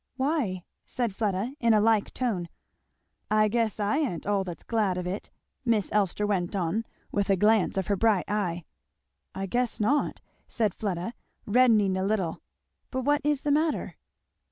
"Why?" said Fleda in a like tone. "I guess I ain't all that's glad of it," Miss Elster went on, with a glance of her bright eye. "I guess not," said Fleda reddening a little; "but what is the matter?"